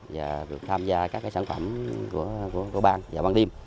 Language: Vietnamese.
và được tham gia các sản phẩm của bang và bán tiêm